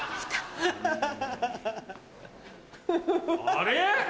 あれ？